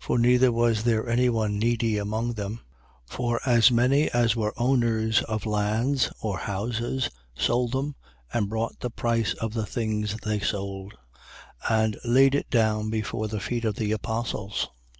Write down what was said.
4:34. For neither was there any one needy among them. For as many as were owners of lands or houses sold them and brought the price of the things they sold, 4:35. And laid it down before the feet of the apostles.